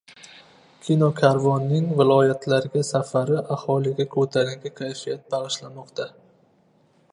«Kinokarvon»ning viloyatlarga safari aholiga ko‘tarinki kayfiyat bag‘ishlamoqda